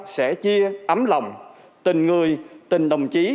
sẻ chia ấm lòng tình người tình đồng chí